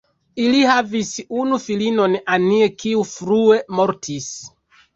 Ili havis unu filinon Annie, kiu frue mortis.